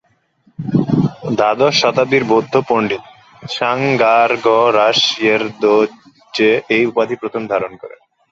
দ্বাদশ শতাব্দীর বৌদ্ধ পণ্ডিত গ্ত্সাং-পা-র্গ্যা-রাস-য়ে-র্দো-র্জে এই উপাধি প্রথম ধারণ করেন।